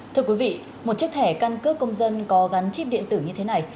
thưa quý vị một chiếc thẻ căn cước công dân có gắn chip điện tử như thế này